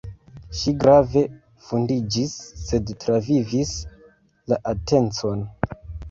Ŝi grave vundiĝis, sed travivis la atencon.